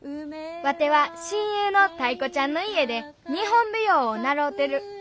ワテは親友のタイ子ちゃんの家で日本舞踊を習うてる。